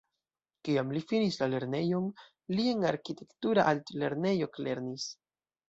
Kiam li finis la lernejon li en arkitektura altlernejo eklernis.